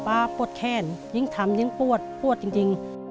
ปวดแขนยิ่งทำยิ่งปวดปวดจริง